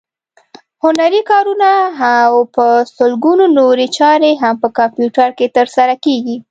هنري کارونه او په سلګونو نورې چارې هم په کمپیوټر کې ترسره کېږي.